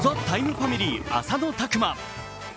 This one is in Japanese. ファミリー浅野拓磨。